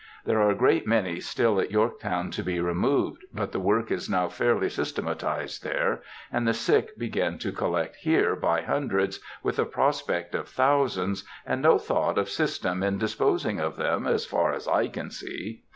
There are a great many still at Yorktown to be removed, but the work is now fairly systematized there, and the sick begin to collect here by hundreds, with a prospect of thousands, and no thought of system in disposing of them, as far as I can see.